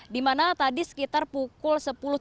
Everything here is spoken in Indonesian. di mana tadi sekitar pukul